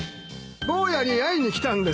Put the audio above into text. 坊やに会いに来たんです。